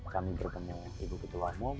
kami bertemu ibu ketua umum